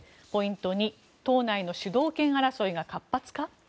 ポイント２党内の主導権争いが活発化？